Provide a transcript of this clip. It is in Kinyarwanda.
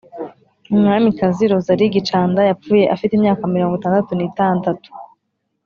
Umwamikazi Rosalie Gicanda yapfuye afite imyaka mirongo itandatu na itandatu.